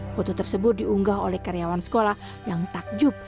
foto tersebut diunggah oleh karyawan sekolah yang takjub